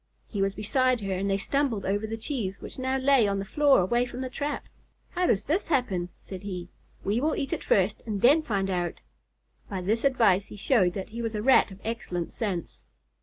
He was beside her and they stumbled over the cheese, which now lay on the floor away from the trap. "How does this happen?" said he. "We will eat it first and then find out." By this advice he showed that he was a Rat of excellent sense.